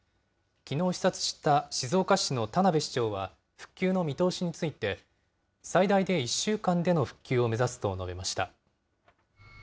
きのう視察した静岡市の田辺市長は、復旧の見通しについて、最大で１週間での復旧を目指すと述べました。